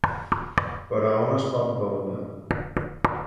Però on es pot veure?